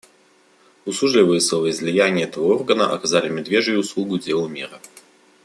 Услужливые словоизлияния этого органа оказали медвежью услугу делу мира.